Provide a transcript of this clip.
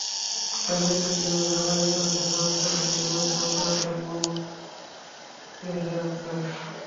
রাজনীতিবিজ্ঞান বিভাগ আয়োজিত অনুষ্ঠানে সভাপতিত্ব করেন বিভাগের সভাপতি অধ্যাপক মুহাম্মদ ইয়াহ্ইয়া আখতার।